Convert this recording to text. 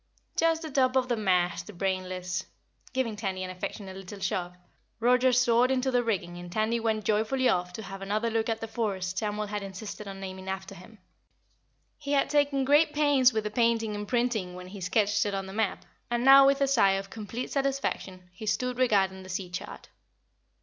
"Just the top of the main mast, Brainless." Giving Tandy an affectionate little shove, Roger soared into the rigging and Tandy went joyfully off to have another look at the forest Samuel had insisted on naming after him. He had taken great pains with the painting and printing when he sketched it on the map, and now with a sigh of complete satisfaction he stood regarding the sea chart.